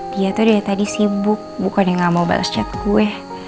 dia tuh dari tadi sibuk bukan yang gak mau bales chat gue